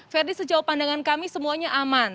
verdi sejauh pandangan kami semuanya aman